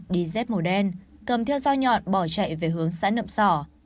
đi dép màu đen cầm theo dao nhọn bỏ chạy về hướng xã nậm sỏ